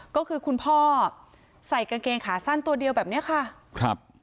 ก็คือคุณพ่อใส่กางเกงขาสั้นตัวเดียวแบบเนี้ยค่ะครับ